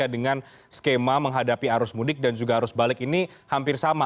dengan skema menghadapi arus mudik dan juga arus balik ini hampir sama